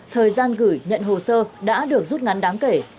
thời gian gửi nhận hồ sơ đã được rút ngắn đáng kể